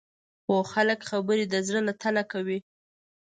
پوه خلک خبرې د زړه له تله کوي